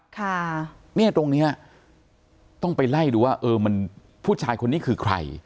ค่ะเนี่ยตรงเนี้ยต้องไปไล่ดูว่าเออมันผู้ชายคนนี้คือใคร